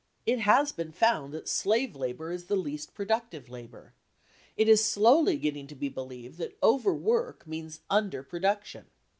It has been found that slave labour is the least productive labour; it is slowly getting to be believed that overwork means under production.